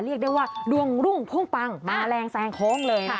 เรียกได้ว่าดวงรุ่งพุ่งปังมาแรงแซงโค้งเลย